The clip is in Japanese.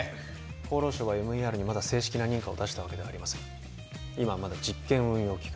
厚労省はＭＥＲにまだ正式な認可を出したわけではありません今はまだ実験運用期間